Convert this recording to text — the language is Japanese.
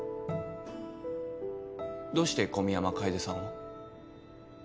どうして小宮山楓さんを？